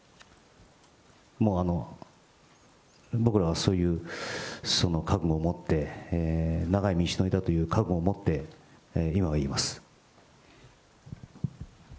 もうそういう覚悟を持って、長い道のりだという覚悟を持って、今はいます。